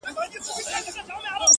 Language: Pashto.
اوښـكه د رڼـــا يــې خوښــــه ســـوېده~